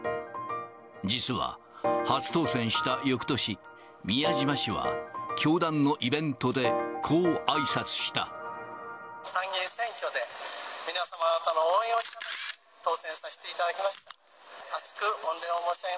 実は、初当選したよくとし、宮島氏は教団のイベントでこうあ参議院選挙で皆様方の応援を頂いて当選させていただきました。